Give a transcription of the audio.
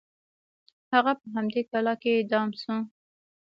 هغه په همدې کلا کې اعدام شو.